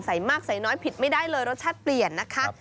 มากใส่น้อยผิดไม่ได้เลยรสชาติเปลี่ยนนะคะ